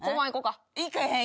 行けへん。